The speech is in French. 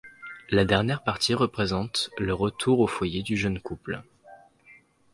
La dernière partie représente le retour au foyer du jeune couple.